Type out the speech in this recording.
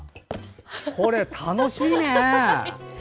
これ、楽しいね！